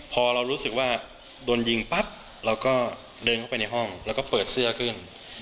พอเรารู้สึกว่าโดนยิงปั๊บเราก็เดินเข้าไปในห้องแล้วก็เปิดเสื้อขึ้น